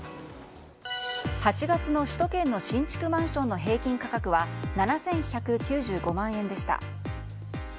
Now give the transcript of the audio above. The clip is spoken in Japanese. ８月の首都圏の新築マンションの平均価格は７１９５万円でした。